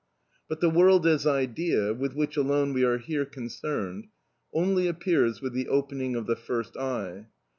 But the world as idea, with which alone we are here concerned, only appears with the opening of the first eye.